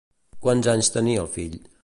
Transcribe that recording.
Quants anys tenia el fill?